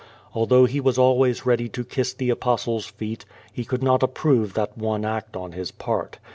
Although he was always ready to kiss the Apostle's feet, he could not approve that one act on his part.